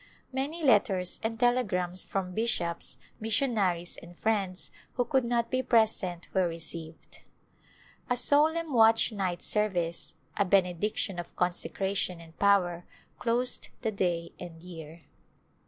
Many letters and telegrams from bishops, mission aries and friends who could not be present were re ceived. A solemn watch night service — a benediction of consecration and power — closed the day and year.